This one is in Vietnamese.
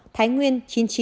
thái nguyên chín mươi chín